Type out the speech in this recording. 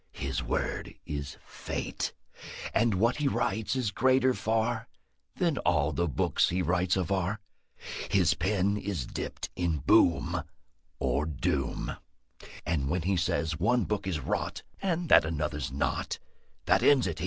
His word is Fate, And what he writes Is greater far Than all the books He writes of are. His pen Is dipped in boom Or doom; And when He says one book is rot, And that another's not, That ends it.